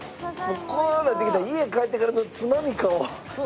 こうなってきたら家に帰ってからのつまみ買おう。